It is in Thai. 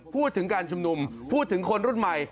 พูดถึงการชุมนุมพูดถึงคนรุ่นใหม่